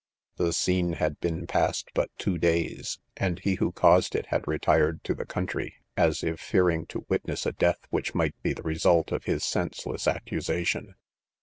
''The scene had been past but two days; and he who caused it had retired to the coun try, as if fearing to witness a death which might be the result of his senseless accusa tion.